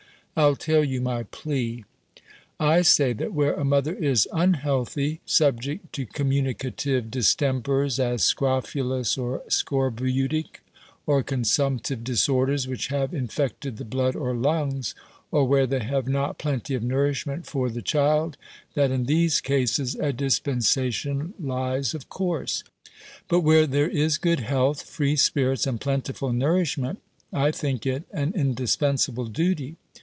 I'll tell you my plea: I say, that where a mother is unhealthy; subject to communicative distempers, as scrophulous or scorbutic, or consumptive disorders, which have infected the blood or lungs; or where they have not plenty of nourishment for the child, that in these cases, a dispensation lies of course. But where there is good health, free spirits, and plentiful nourishment, I think it an indispensable duty.